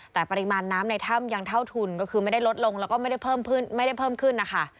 แต่ปริมาณน้ำในถ้ำยังเท่าทุนก็คือไม่ได้ลดลงแล้วก็ไม่ได้เพิ่มขึ้นไม่ได้เพิ่มขึ้นนะคะ